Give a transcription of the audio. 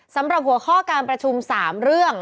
สำหรับหัวข้อการประชุม๓เรื่อง